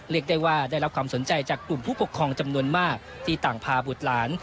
เรียกได้ว่าได้รับความสนใจจากกลุ่มผู้ปกครองจำนวนมากที่ต่างพาบุตรหลาน